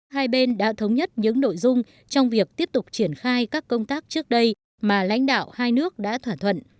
hai bên đã thống nhất những nội dung trong việc tiếp tục triển khai các công tác trước đây mà lãnh đạo hai nước đã thỏa thuận